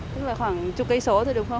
tức là khoảng chục cây số thôi đúng không